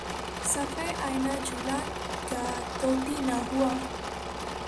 صفحۂ آئنہ جولاں گہ طوطی نہ ہوا